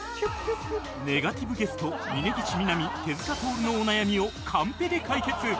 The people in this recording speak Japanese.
ネガティブゲスト峯岸みなみ手塚とおるのお悩みをカンペで解決